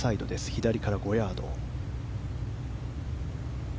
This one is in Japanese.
左から５ヤード。